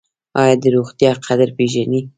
ایا د روغتیا قدر پیژنئ؟